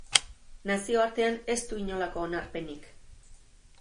Nazioartean ez du inolako onarpenik.